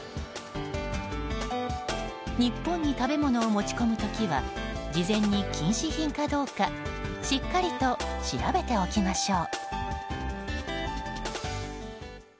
日本に食べ物を持ち込む時は事前に禁止品かどうかしっかりと調べておきましょう。